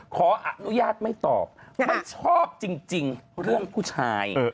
ขออนุญาตไม่ตอบไม่ชอบจริงเรื่องผู้ชาย